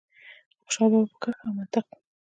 د خوشال بابا په کرښه او منطق.